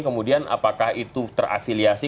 kemudian apakah itu terafiliasi